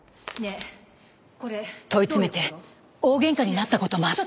問い詰めて大喧嘩になった事もあって。